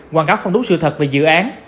quảng cáo không đúng sự thật về dự án